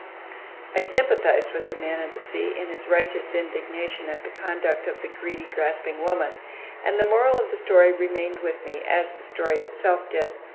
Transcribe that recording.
I sympathized with the "Man of the Sea" in his righteous indignation at the conduct of the greedy, grasping woman; and the moral of the story remained with me, as the story itself did.